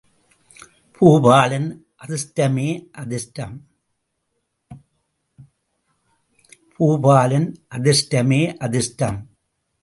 பூபாலன் அதிர்ஷ்டமே, அதிர்ஷ்டம்!